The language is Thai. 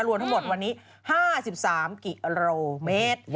รวมทั้งหมดวันนี้๕๓กิโลเมตร